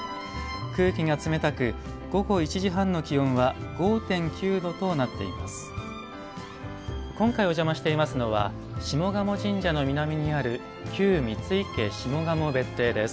空気が冷たく午後１時半の気温は５．９度となっています。